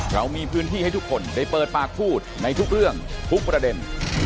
เรามีพื้นที่ให้ทุกคนได้เปิดปากพูดในทุกเรื่องทุกประเด็น